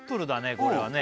これはね